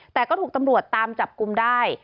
แต่ก็ถูกตำรวจตามจับกลุ่มได้